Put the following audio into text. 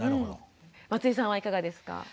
松井さんはいかがですか？